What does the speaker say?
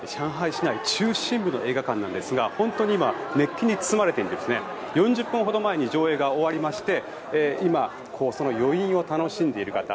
市内中心部の映画館なんですが本当に熱気に包まれていて４０分ほど前に上映が終わり今、その余韻を楽しんでいる方。